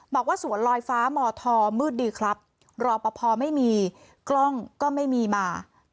บอกว่าสวนลอยฟ้ามธมืดดีครับรอปภไม่มีกล้องก็ไม่มีมา